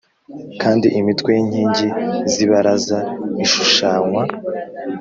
Kandi imitwe y inkingi z ibaraza ishushanywa